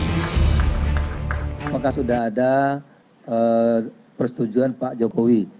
pada saat ini sudah ada persetujuan pak jokowi